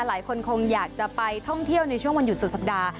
หลายคนคงอยากจะไปท่องเที่ยวในช่วงวันหยุดสุดสัปดาห์